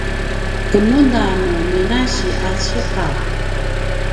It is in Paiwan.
kemuda nu minasi a ciqav?